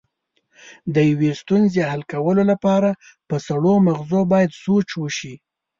د یوې ستونزې حل کولو لپاره په سړو مغزو باید سوچ وشي.